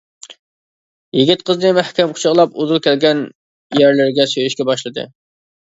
يىگىت قىزنى مەھكەم قۇچاقلاپ ئۇدۇل كەلگەن يەرلىرىگە سۆيۈشكە باشلىدى.